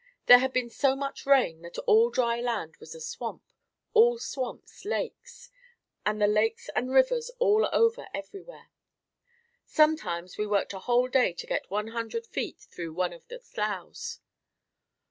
There had been so much rain that all dry land was a swamp, all swamps lakes, and the lakes and rivers all over everywhere. Sometimes we worked a whole day to get one hundred feet through one of the sloughs.